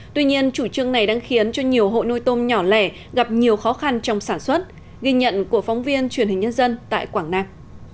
tuy nhiên chủ trương này đang khiến cho nhiều hộ nuôi tôm nhỏ lẻ gặp nhiều khó khăn trong sản xuất ghi nhận của phóng viên truyền hình nhân dân tại quảng nam